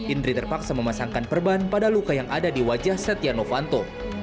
indri terpaksa memasangkan perban pada luka yang ada di wajah setia novanto